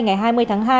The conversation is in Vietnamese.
ngày hai mươi tháng hai